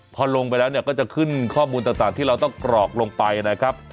พอลงไปแล้วเนี่ยก็จะขึ้นข้อมูลต่างที่เราต้องกรอกลงไปนะครับ